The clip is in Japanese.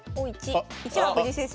１は藤井先生。